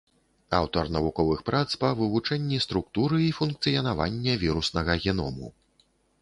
Аўтар навуковых прац па вывучэнні структуры і функцыянавання віруснага геному.